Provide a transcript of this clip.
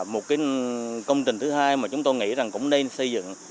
một công trình thứ hai mà chúng tôi nghĩ rằng cũng nên xây dựng